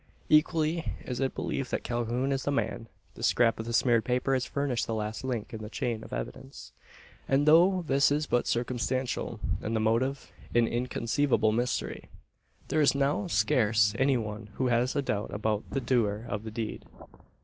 Equally is it believed that Calhoun is the man. The scrap of smeared paper has furnished the last link in the chain of evidence; and, though this is but circumstantial, and the motive an inconceivable mystery, there is now scarce any one who has a doubt about the doer of the deed.